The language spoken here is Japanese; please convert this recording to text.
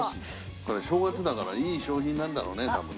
これ正月だからいい賞品なんだろうね多分ね。